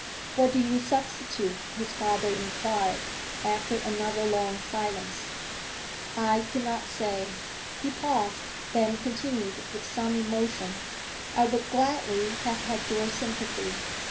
'What do you substitute?' his father inquired, after another long silence. 'I cannot say.' He paused, then continued with some emotion, 'I would gladly have had your sympathy.